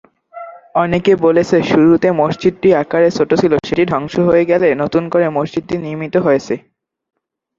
অনেকে বলেছে, শুরুতে মসজিদটি আকারে ছোট ছিল, সেটি ধ্বংস হয়ে গেলে নতুন করে মসজিদটি নির্মিত হয়েছে।